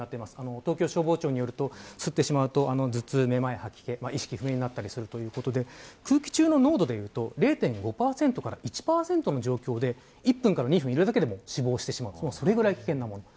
東京消防庁によると吸ってしまうと頭痛、目まい、吐き気意識不明になったりするということで空気中の濃度０．５％から１％の上下で１分から２分いるだけで死亡してしまうほど危険なものです。